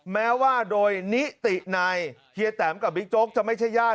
แม้ว่าโดยนิติในเทียดแตมกับบิ๊มสูงก็จะไม่ใช่แย่น